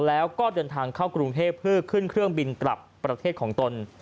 แล้วก็เดินทางเข้ากรุงเทพเพื่อขึ้นเครื่องบินกลับประเทศของตน